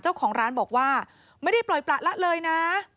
เจ้าของร้านบอกว่าไม่ได้ปล่อยประละเลยนะ